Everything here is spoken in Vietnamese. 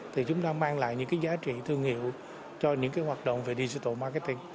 thì chúng ta mang lại những cái giá trị thương hiệu cho những hoạt động về digital marketing